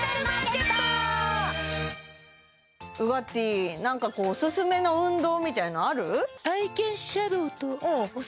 ウガッティーなんかおすすめの運動みたいのある？